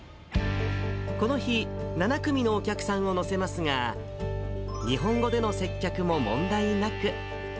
この日、７組のお客さんを乗せますが、日本語での接客も問題なく。